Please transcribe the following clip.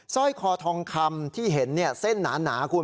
ซ้อยคอทองคำที่เห็นเนี่ยเส้นหนาคุณ